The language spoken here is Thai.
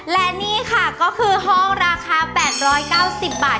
และนี่ค่ะก็คือห้องราคา๘๙๐บาท